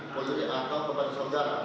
polisi atau kepada saudara